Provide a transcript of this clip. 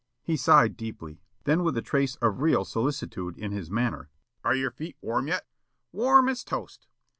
He sighed deeply. Then with a trace of real solicitude in his manner: "Are your feet warm yet?" "Warm as toast.